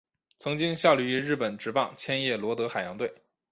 曾经效力于日本职棒千叶罗德海洋队。